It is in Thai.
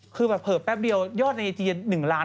คือแบบเผลอแป๊บเดียวยอดในไอจี๑ล้าน